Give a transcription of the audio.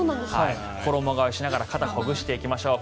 衣替えをしながら肩をほぐしていきましょう。